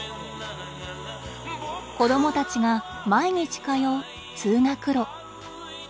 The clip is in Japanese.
子どもたちが毎日通う「通学路」。